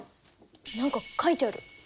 何か書いてある。